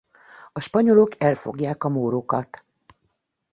A spanyolok elfogják a mórokat.